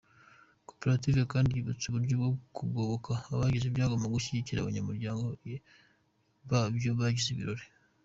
Koperative kandi yubatse uburyo bwo kugoboka abagize ibyago no gushyigikira abanyamuryango babyo bagize ibirori.